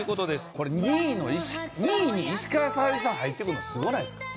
これ２位に石川さゆりさん入ってくるのすごないですか？